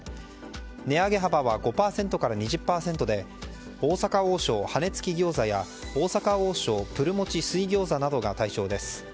値上げ幅は５％から２０％で大阪王将羽根つき餃子や大阪王将ぷるもち水餃子などが対象です。